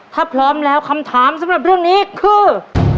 ถ้าพร้อมแล้วคำถามสำหรับเรื่องนี้คือ